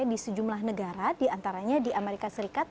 di sejumlah negara di antaranya di amerika serikat